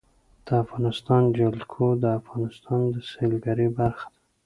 د افغانستان جلکو د افغانستان د سیلګرۍ برخه ده.